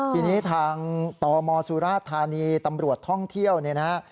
ทีนี้ทางตมสุราธานีตำรวจท่องเที่ยวเนี่ยนะฮะ